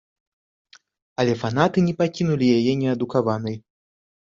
Але фанаты не пакінулі яе неадукаванай.